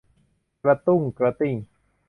กระดุ้งกระดิ้ง